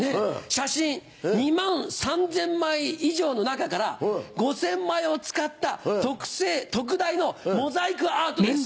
写真２万３０００枚以上の中から５０００枚を使った特製特大のモザイクアートです。